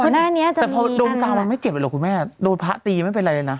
แต่พอโดนกลางมันไม่เจ็บหรอกคุณแม่โดนพระตีไม่เป็นไรเลยนะ